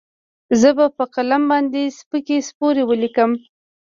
زه به په قلم باندې سپکې سپورې وليکم.